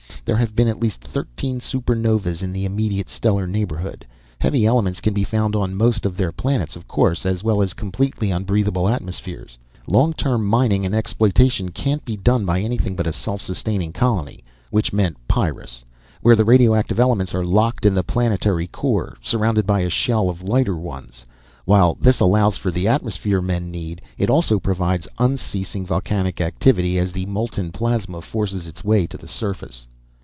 There have been at least thirteen super novas in the immediate stellar neighborhood. Heavy elements can be found on most of their planets of course as well as completely unbreathable atmospheres. Long term mining and exploitation can't be done by anything but a self sustaining colony. Which meant Pyrrus. Where the radioactive elements are locked in the planetary core, surrounded by a shell of lighter ones. While this allows for the atmosphere men need, it also provides unceasing volcanic activity as the molten plasma forces its way to the surface."